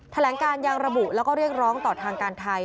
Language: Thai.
แถลงการยังระบุแล้วก็เรียกร้องต่อทางการไทย